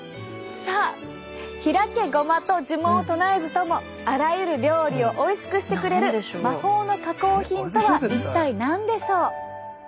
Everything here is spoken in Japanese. さあひらけごまと呪文を唱えずともあらゆる料理をおいしくしてくれる魔法の加工品とは一体何でしょう？